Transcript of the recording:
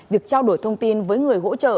việc trao đổi thông tin với người hỗ trợ